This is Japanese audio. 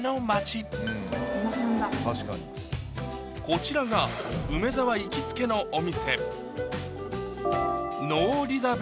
こちらが梅沢行きつけのお店え